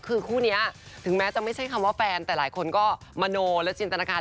คือคู่นี้ถึงแม้จะไม่ใช่คำว่าแฟนแต่หลายคนก็มโนและจินตนาการ